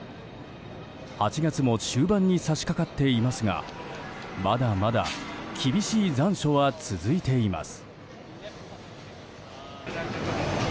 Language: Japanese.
８月も終盤に差し掛かっていますがまだまだ厳しい残暑は続いています。